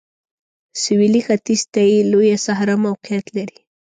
سویلي ختیځ ته یې لویه صحرا موقعیت لري.